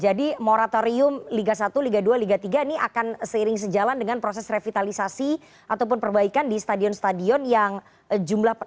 jadi moratorium liga satu liga dua liga tiga ini akan seiring sejalan dengan proses revitalisasi ataupun perbaikan di stadion stadion yang jauh